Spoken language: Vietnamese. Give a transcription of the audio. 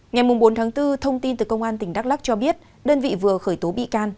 ngày bốn tháng bốn thông tin từ công an tỉnh đắk lắc cho biết đơn vị vừa khởi tố bị can